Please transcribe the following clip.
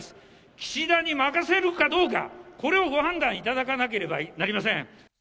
岸田に任せるかどうか、これをご判断いただかなければなりません。